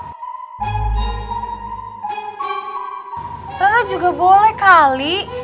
ya tapi rara juga boleh kali